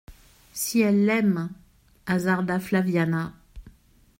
Si elle l'aime …» hasarda Flaviana.